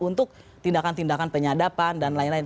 untuk tindakan tindakan penyadapan dan lain lain